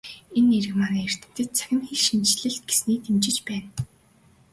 Энэ нэрийг манай эрдэмтэд "Цахим хэлшинжлэл" гэснийг дэмжиж байна.